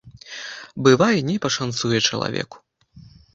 Бывае, не пашанцуе чалавеку.